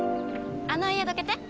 あの家どけて。